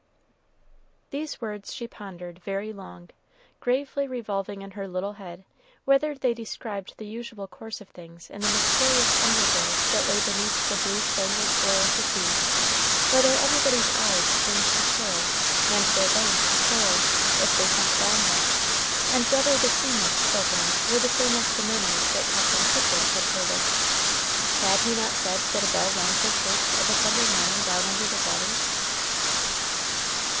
These words she pondered very long, gravely revolving in her little head whether they described the usual course of things in the mysterious under world that lay beneath that blue spangled floor of the sea; whether everybody's eyes changed to pearl, and their bones to coral, if they sunk down there; and whether the sea nymphs spoken of were the same as the mermaids that Captain Kittridge had told of. Had he not said that the bell rung for church of a Sunday morning down under the waters?